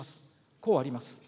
こうあります。